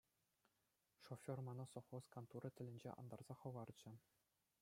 Шофер мана совхоз кантурӗ тӗлӗнче антарса хӑварчӗ.